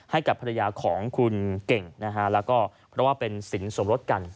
ให้กับภรรยาของคุณเก่งนะฮะแล้วก็เพราะว่าเป็นสินสมรสกัน